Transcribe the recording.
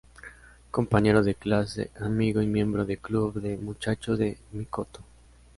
Compañero de clase, amigo y miembro de club de muchacho de Mikoto.